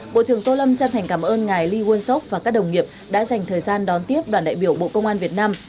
bộ trưởng tô lâm chân thành cảm ơn ngài lee won sốc và các đồng nghiệp đã dành thời gian đón tiếp đoàn đại biểu bộ công an việt nam